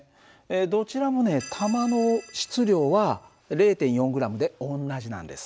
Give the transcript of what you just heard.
どちらもね弾の質量は０．４ｇで同じなんです。